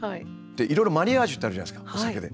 いろいろマリアージュってあるじゃないですかお酒で。